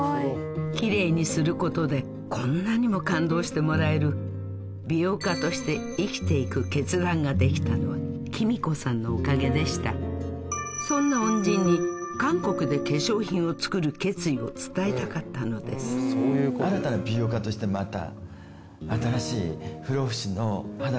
キレイにすることでこんなにも感動してもらえる美容家として生きていく決断ができたのは公子さんのおかげでしたそんな恩人に韓国で化粧品を作る決意を伝えたかったのですっていうのを頑張っていきたいなと思います。